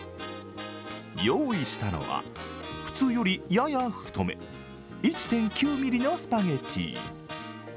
用意したのは、普通よりやや太め、１．９ｍｍのスパゲッティ。